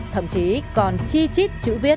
thậm chí còn chi chít chữ viết